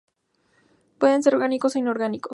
Pueden ser orgánicos o inorgánicos.